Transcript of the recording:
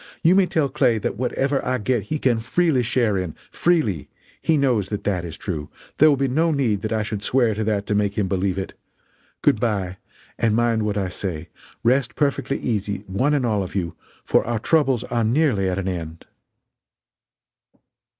You may tell Clay that whatever I get he can freely share in freely. He knows that that is true there will be no need that I should swear to that to make him believe it. Good bye and mind what I say: Rest perfectly easy, one and all of you, for our troubles are nearly at an end."